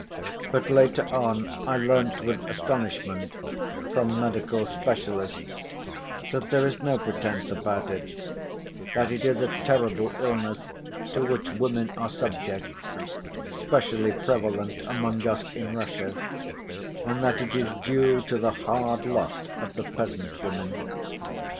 But later on I learnt with astonishment from medical specialists that there is no pretense about it, that it is a terrible illness to which women are subject, specially prevalent among us in Russia, and that it is due to the hard lot of the peasant women.